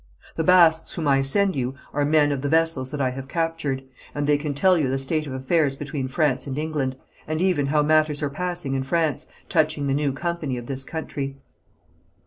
The Basques whom I send you are men of the vessels that I have captured, and they can tell you the state of affairs between France and England, and even how matters are passing in France, touching the new company of this country.